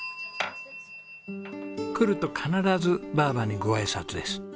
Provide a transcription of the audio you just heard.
来ると必ずばあばにごあいさつです。